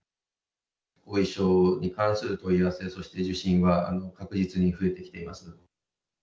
後遺症に関する問い合わせ、そして受診は確実に増えてきています。